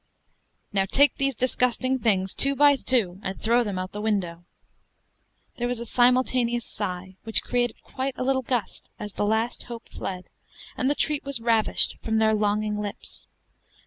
Now take these disgusting things, two by two, and throw them out of the window." There was a simultaneous sigh, which created quite a little gust as the last hope fled, and the treat was ravished from their longing lips.